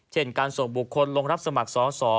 เช่นการส่งบุคคลลงรับสมัครสอสอ